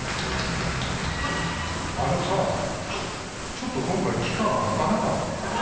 ちょっと今回期間空かなかった？